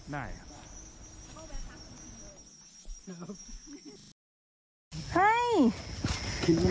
ได้ครับ